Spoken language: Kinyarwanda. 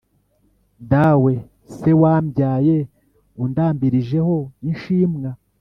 Dawe se wambyaye Undambirijeho inshimwa